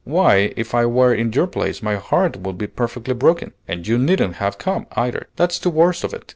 Why, if I were in your place my heart would be perfectly broken. And you needn't have come, either; that's the worst of it.